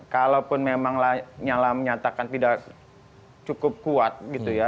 kalaupun memang lanyala menyatakan tidak cukup kuat gitu ya